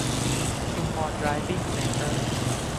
ชุมพรไดฟ์วิ่งเซ็นเตอร์